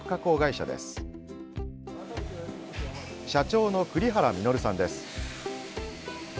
社長の栗原稔さんです。